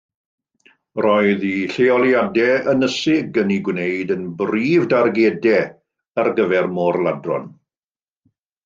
Roedd eu lleoliadau ynysig yn eu gwneud yn brif dargedau ar gyfer môr-ladron.